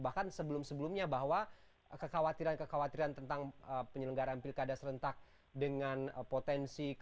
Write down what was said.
bahkan sebelum sebelumnya bahwa kekhawatiran kekhawatiran tentang penyelenggaraan pilkada serentak dengan polisi ini sudah terbuka